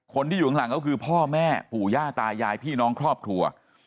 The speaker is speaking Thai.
คนที่อยู่ข้างหลังก็คือพ่อแม่ปู่ย่าตายายพี่น้องครอบครัว